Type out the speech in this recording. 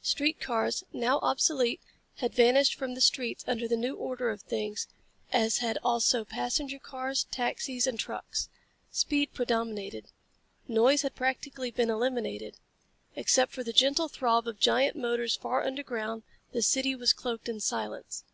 Street cars, now obsolete, had vanished from the streets under the new order of things as had also passenger cars, taxis and trucks. Speed predominated. Noise had practically been eliminated. Except for the gentle throb of giant motors far underground, the city was cloaked in silence.